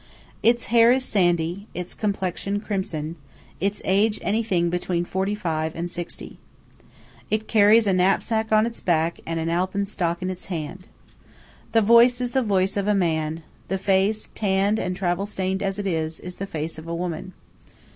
Its hair is sandy; its complexion crimson; its age anything between forty five and sixty. It carries a knapsack on its back, and an alpenstock in its hand. The voice is the voice of a man; the face, tanned and travel stained as it is, is the face of a woman.